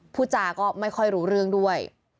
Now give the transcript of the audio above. พูดจาก็ไม่ค่อยรู้เรื่องด้วย